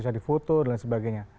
atau di foto dan sebagainya